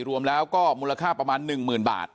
รวมแล้วก็มูลค่าประมาณ๑๐๐๐บาท